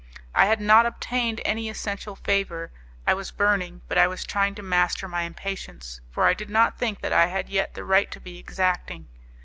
I had not obtained any essential favour; I was burning, but I was trying to master my impatience, for I did not think that I had yet the right to be exacting.